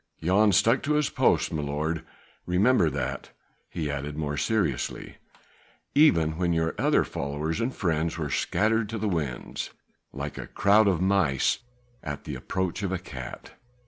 Jan stuck to his post, my lord, remember that," he added more seriously, "even when all your other followers and friends were scattered to the winds like a crowd of mice at the approach of a cat.